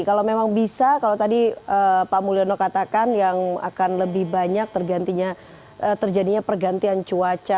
kalau memang bisa kalau tadi pak mulyono katakan yang akan lebih banyak terjadinya pergantian cuaca